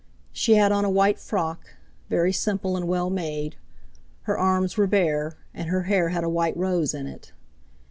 She had on a white frock, very simple and well made; her arms were bare, and her hair had a white rose in it.